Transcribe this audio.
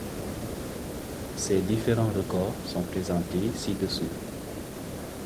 Ces différents records sont présentés ci-dessous.